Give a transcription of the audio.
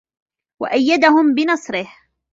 وَأَيَّدَهُمْ بِنَصْرِهِ